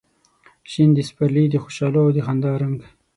شین د سپرلي د خوشحالو او د خندا رنګ